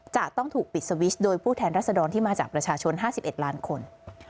จะต้องถูกปิดสวิชโดยผู้แทนรัศดรที่มาจากประชาชน๕๑ล้านคน